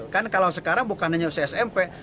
kan kalau sekarang bukan hanya usia smp